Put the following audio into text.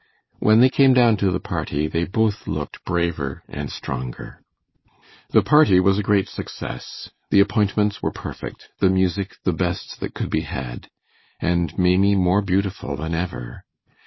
When they came down to the party they both looked braver and stronger. The party was a great success. The appointments were perfect; the music the best that could be had, and Maimie more beautiful than ever.